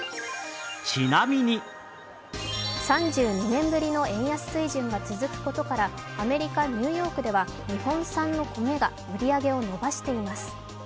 ３２年ぶりの円安水準が続くことからアメリカ・ニューヨークでは日本産の米が売り上げを伸ばしています。